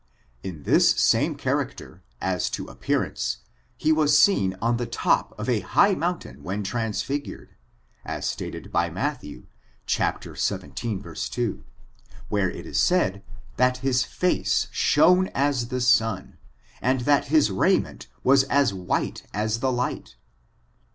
In this same char acter, as to appearance, he was seen on the top of a high mountain when transfigured, as stated by Mat thew, chap, xvii, 2, where it is said, that his face shone as the sun, and that his raiment was as white as the light.